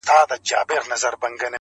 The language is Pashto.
چا په نيمه شپه كي غوښتله ښكارونه.!